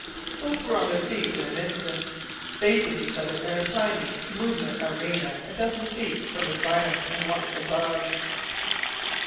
Both were on their feet in an instant, facing each other in the tiny moonlit arena a dozen feet from the silent and watchful dogs.